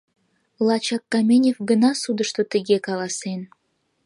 Лачак Каменев гына судышто тыге каласен: